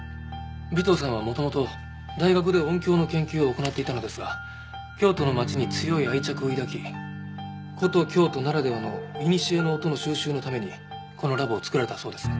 尾藤さんは元々大学で音響の研究を行っていたのですが京都の街に強い愛着を抱き古都京都ならではのいにしえの音の収集のためにこのラボを作られたそうです。